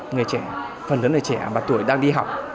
người trẻ phần lớn là trẻ và tuổi đang đi học